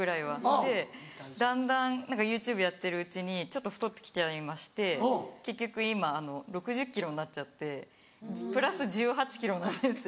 でだんだん何かＹｏｕＴｕｂｅやってるうちにちょっと太ってきちゃいまして結局今６０ｋｇになっちゃってプラス１８ｋｇなんですよ